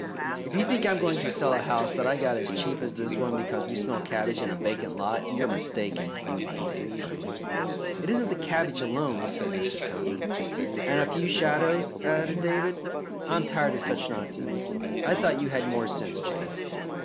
"If you think I'm going to sell a house that I got as cheap as this one because we smell cabbage in a vacant lot, you're mistaken," replied David firmly. "It isn't the cabbage alone," said Mrs. Townsend. "And a few shadows," added David. "I am tired of such nonsense. I thought you had more sense, Jane."